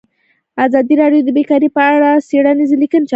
ازادي راډیو د بیکاري په اړه څېړنیزې لیکنې چاپ کړي.